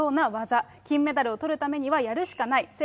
金メダルをとるためにはやるしかない。